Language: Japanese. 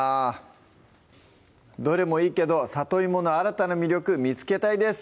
どれもいいけど里芋の新たな魅力見つけたいです